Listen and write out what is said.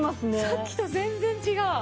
さっきと全然違う。